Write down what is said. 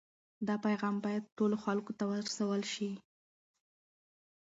دا پیغام باید ټولو خلکو ته ورسول شي.